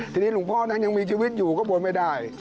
ทีนี้หลวงพ่อนั้นยังมีชีวิตอยู่ก็บนไม่ได้